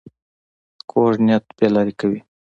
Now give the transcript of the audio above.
کوږ نیت بې لارې کوي